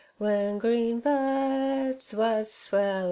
When green birds wus swellin'.